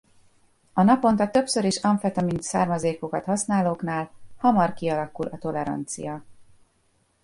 A naponta többször is amfetamin-származékokat használóknál hamar kialakul a tolerancia.